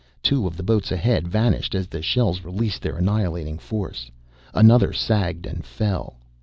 Two of the boats ahead vanished as the shells released their annihilating force, another sagged and fell.